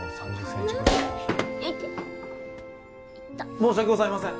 申し訳ございません！